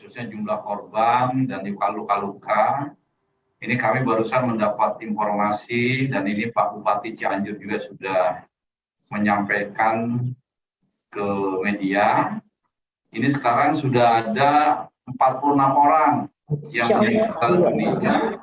sudah menyampaikan ke media ini sekarang sudah ada empat puluh enam orang yang meninggal dunia